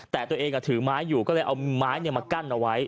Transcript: แต่ตัวเองถือไม้อยู่ก็เลยเอาไม้มากั้นเอาไว้